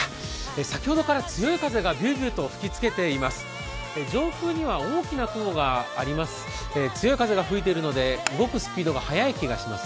先ほどから強い風がびゅうびゅうと吹きつけています。